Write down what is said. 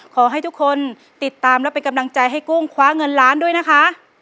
ขอให้ทุกคนติดตามและเป็นกำลังใจให้กุ้งคว้าเงินล้านด้วยนะคะ